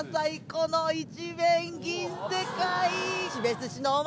この一面銀世界。